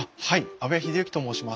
阿部英之と申します。